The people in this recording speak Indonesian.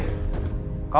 ya di mana